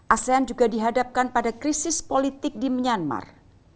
asean juga dihadapkan pada krisis politik di myanmar